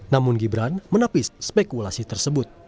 namun gibran menapis spekulasi tersebut